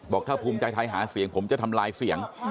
บอกถ้าภูมิใจไทยหาเสียงผมจะทำลายเสียง